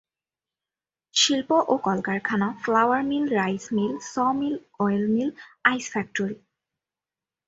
শিল্প ও কলকারখানা flour mill, rice mill, sawmill, oil mill, ice factory.